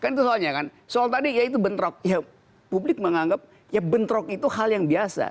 kan itu soalnya kan soal tadi ya itu bentrok ya publik menganggap ya bentrok itu hal yang biasa